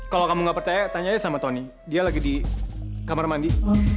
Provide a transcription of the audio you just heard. kalau kamu gak percaya tanya aja sama tony dia lagi di kamar mandi